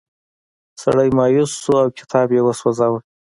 سړی مایوسه شو او کتاب یې وسوځاوه.